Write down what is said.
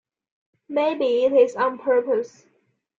Maybe it is on purpose.